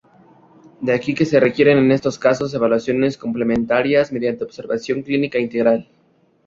De aquí que se requieran en estos casos evaluaciones complementarias, mediante observación clínica integral.